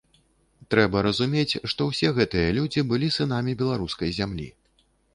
Трэба разумець, што ўсе гэтыя людзі былі сынамі беларускай зямлі.